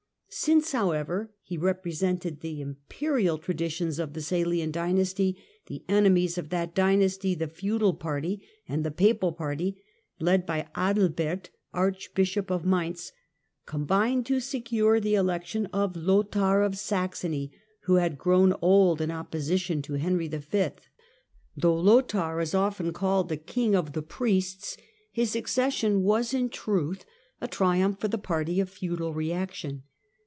Since, however, he represented the imperial traditions of the Salian dynasty, the enemies of that dynasty, the feudal party and the papal party, led by Adalbert Archbishop of Mainz, combined to secure the election of Lothair of Saxony, who had grown old in opposition to Henry V. Though Lothair is often called a " king of the priests," his accession was in truth a triumph for the party of feudal reaction.